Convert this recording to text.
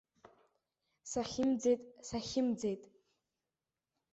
Сахьымӡеит, сахьымӡеит.